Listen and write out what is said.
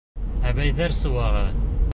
Әбейҙәр сыуағы.